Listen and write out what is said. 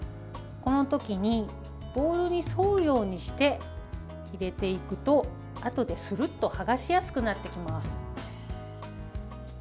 この時にボウルに沿うようにして入れていくとあとでするっと剥がしやすくなってきます。